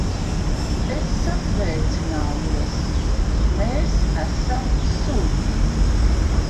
Es sasveicinājos. Mēs esam suņi.